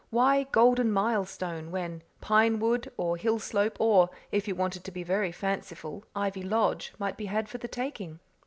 Why Golden Milestone, when Pinewood or Hillslope or, if you wanted to be very fanciful, Ivy Lodge, might be had for the taking?